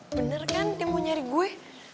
bener kan dia mau nyari gue